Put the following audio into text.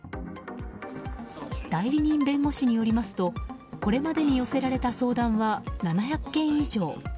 代理人弁護士によりますとこれまでに寄せられた相談は７００件以上。